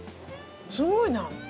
すごいな。